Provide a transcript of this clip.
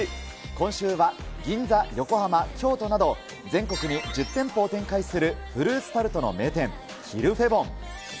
今週は、銀座、横浜、京都など、全国に１０店舗を展開するフルーツタルトの名店、キルフェボン。